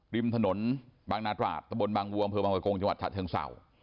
ริมถนนบางนาศราชตะบลบางวัวบางประกงจังหวัดถัดเทิงเสา